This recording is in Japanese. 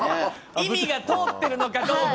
意味が通ってるのかどうか。